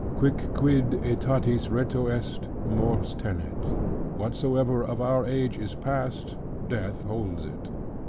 "Quicquid aetatis retro est, mors tenet:" "Whatsoever of our age is past, death holds it."